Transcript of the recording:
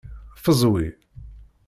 Ffezwi.